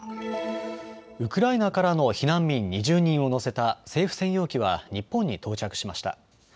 ウクライナからの避難民２０人を乗せた政府専用機は日本に到着しました。